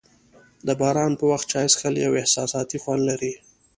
د باران په وخت چای څښل یو احساساتي خوند لري.